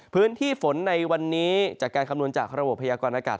พื้นที่ฝนในวันนี้จากการคำนวณจากระบบพยากรณากาศ